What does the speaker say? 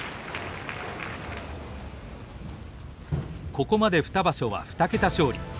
ここまで２場所は２桁勝利。